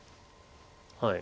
はい。